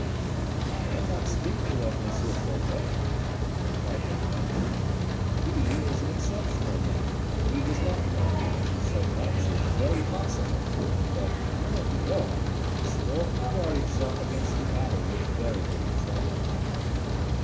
"I am not speaking of M. Colbert," replied D'Artagnan. "He is an exceptional man. He does not love you; so much is very possible; but, mordioux! the squirrel can guard himself against the adder with very little trouble."